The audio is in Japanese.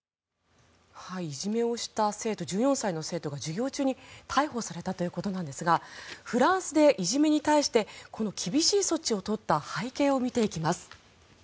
いじめをした１４歳の生徒が授業中に逮捕されたということなんですがフランスでいじめに対してこの厳しい措置を取った背景を見ていきます。